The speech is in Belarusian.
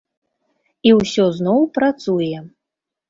І ўсё зноў працуе.